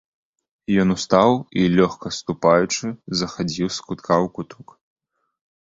Ён устаў і, лёгка ступаючы, захадзіў з кутка ў куток.